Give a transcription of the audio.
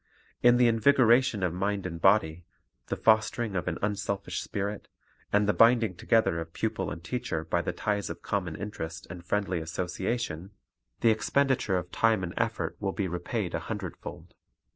In the invigoration of mind and body, the fostering of an unselfish spirit, and the binding together of pupil and teacher by the ties of common interest and friendly association, the expenditure of time and effort will be repaid a hundredfold.